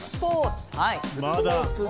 はい。